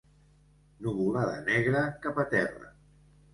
Nuvolada negra, cap a terra.